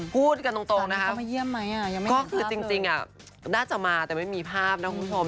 พูดกันตรงนะคะก็คือจริงน่าจะมาแต่ไม่มีภาพนะคุณผู้ชม